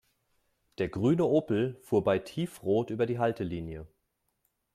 Der grüne Opel fuhr bei Tiefrot über die Haltelinie.